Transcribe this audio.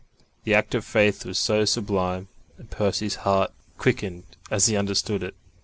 The act of faith was so sublime; and Percy's heart quickened as he understood it.